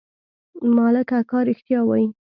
ملک اکا رښتيا وايي.